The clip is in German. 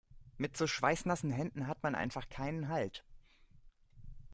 Mit so schweißnassen Händen hat man einfach keinen Halt.